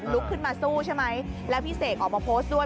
ลุกขึ้นมาสู้ใช่ไหมแล้วพี่เสกออกมาโพสต์ด้วย